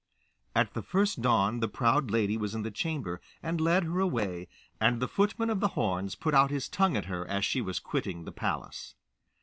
At the first dawn the proud lady was in the chamber, and led her away, and the footman of the horns put out his tongue at her as she was quitting the palace.